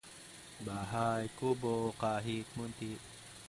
These types of activities added to his longevity.